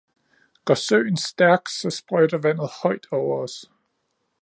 går søen stærk så sprøjter vandet højt over os.